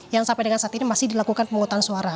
yang sampai dengan saat ini masih dilakukan pemungutan suara